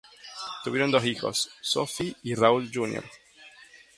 Tuvieron dos hijos: Sophie y Raúl Jr.